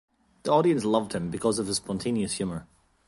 The audience loved him because of his spontaneous humor.